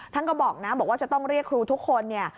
ท่านก็บอกนะบอกว่าจะต้องเรียกครูทุกคนเนี่ย